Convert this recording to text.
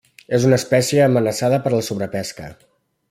És una espècie amenaçada per la sobrepesca.